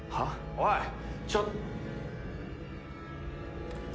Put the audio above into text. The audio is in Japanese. おいちょっ。